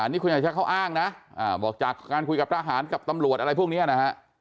นี่คุณอาชักเขาอ้างนะบอกจากการคุยกับทหารกับตำรวจอะไรพวกนี้นะฮะ